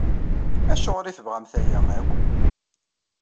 Acuɣer i tebɣamt aya akk?